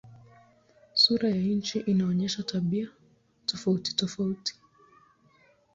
Sura ya nchi inaonyesha tabia tofautitofauti.